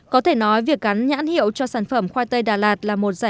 có thể nói việc cắn nhãn hiệu cho sản phẩm khoai tây đà lạt là một giải pháp